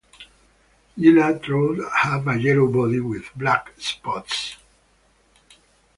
Gila trout have a yellow body, with black spots.